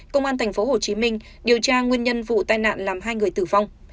công an tp hcm điều tra nguyên nhân vụ tai nạn làm hai người tử vong